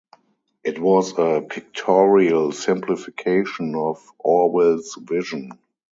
It was a "pictorial simplification" of "Orwell's vision".